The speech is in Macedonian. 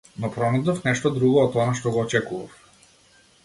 Но пронајдов нешто друго од она што го очекував.